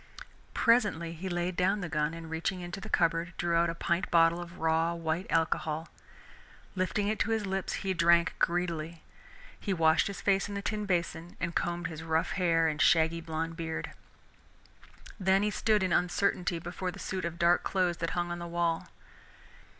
Presently he laid down the gun, and reaching into the cupboard, drew out a pint bottle of raw white alcohol. Lifting it to his lips, he drank greedily. He washed his face in the tin basin and combed his rough hair and shaggy blond beard. Then he stood in uncertainty before the suit of dark clothes that hung on the wall.